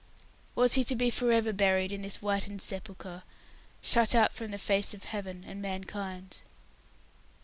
Was he to be for ever buried in this whitened sepulchre, shut out from the face of Heaven and mankind!